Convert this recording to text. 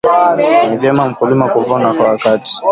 ni vyema mkulima kuvuna kwa wakati